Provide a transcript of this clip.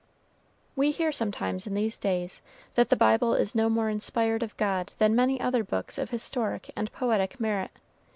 We hear sometimes in these days that the Bible is no more inspired of God than many other books of historic and poetic merit.